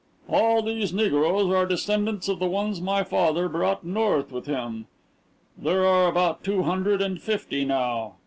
"All these negroes are descendants of the ones my father brought North with him. There are about two hundred and fifty now.